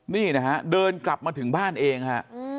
นี่นะฮะเดินกลับมาถึงบ้านเองฮะ